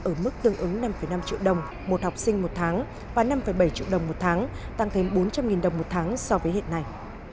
ở mức tương ứng năm năm triệu đồng một học sinh một tháng và năm bảy triệu đồng một tháng tăng thêm bốn trăm linh đồng một tháng so với hiện nay